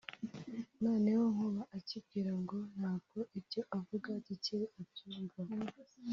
noneho Nkuba akibwira ngo ntabwo ibyo avuga Gikeli abyumva